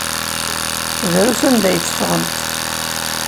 Drus anda ay tteffɣent.